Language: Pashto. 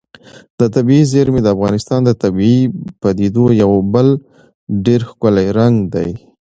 طبیعي زیرمې د افغانستان د طبیعي پدیدو یو بل ډېر ښکلی رنګ دی.